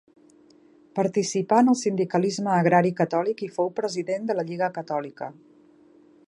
Participà en el sindicalisme agrari catòlic i fou president de la Lliga Catòlica.